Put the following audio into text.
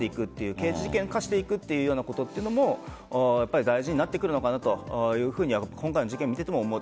刑事事件化していくかということも大事になっていくのかなと今回の事件を見ていても思う。